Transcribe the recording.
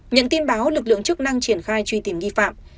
nhận tin báo lực lượng chức năng triển khai truy tìm nghi phạm